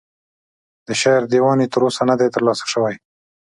د شعر دیوان یې تر اوسه نه دی ترلاسه شوی.